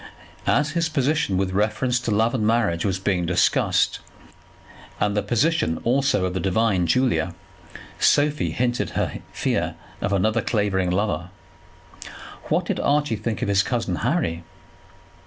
As his position with reference to love and marriage was being discussed, and the position also of the divine Julia, Sophie hinted her fear of another Clavering lover. What did Archie think of his cousin Harry?